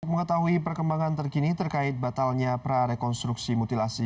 untuk mengetahui perkembangan terkini terkait batalnya prarekonstruksi mutilasi